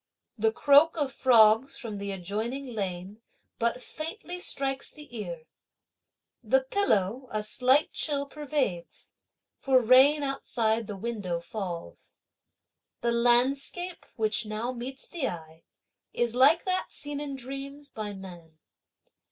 The croak of frogs from the adjoining lane but faintly strikes the ear. The pillow a slight chill pervades, for rain outside the window falls. The landscape, which now meets the eye, is like that seen in dreams by man.